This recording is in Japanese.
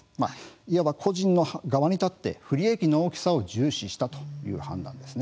いわば個人の側に立って不利益の大きさを重視したという判断です。